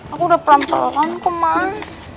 aku udah pelan pelan kok man